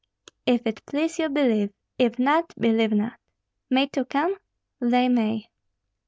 If it please you, believe; if not, believe not." "May two come?" "They may."